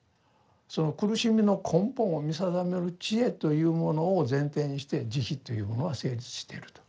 その苦しみの根本を見定める智慧というものを前提にして慈悲というものが成立してると。